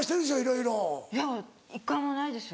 いや１回もないですよ。